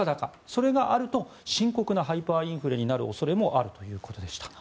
それがあると深刻なハイパーインフレになる恐れもあるということでした。